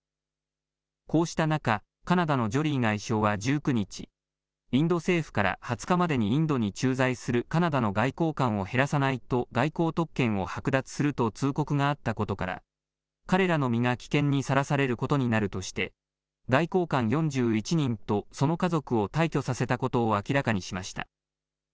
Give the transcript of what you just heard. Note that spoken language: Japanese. こうした中、カナダのジョリー外相は１９日、インド政府から２０日までにインドに駐在するカナダの外交官を減らさないと外交特権を剥奪すると通告があったことから、彼らの身が危険にさらされることになるとして、外交官４１人とその家族を退去させたことを明らかにしました。